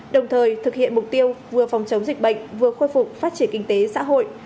đồng thời thực hiện mục tiêu vừa phòng chống dịch bệnh vừa khôi phục phát triển kinh tế xã hội